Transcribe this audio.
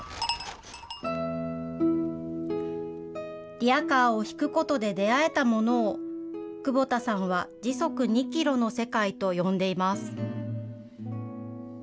リヤカーを引くことで出会えたものを、久保田さんは時速２キロの世界と呼んでいます。